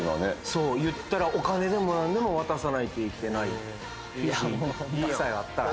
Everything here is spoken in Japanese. そう言ったらお金でもなんでも渡さないといけないいやもう締めたら？